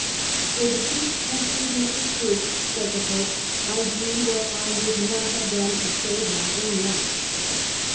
" For the peace and freedom of the Church," said the Pope, "I do what I would not have Coronation done to savc my own life."